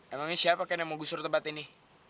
emang ini siapa kan yang mau gusur tempat ini